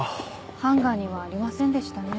ハンガーにはありませんでしたね。